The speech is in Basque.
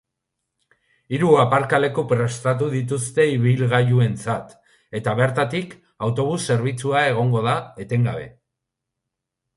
Hiru aparkaleku prestatu dituzte ibilgailuentzat, eta bertatik autobus zerbitzua egongo da etengabe.